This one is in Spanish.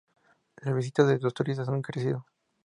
Las visitas de los turistas han crecido.